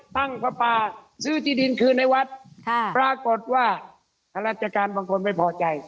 ตั้งพระป่าซื้อที่ดินคืนให้วัดค่ะปรากฏว่าทรัฐราชการบางคนไม่พอใจ